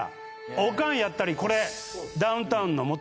オカンやったりこれ！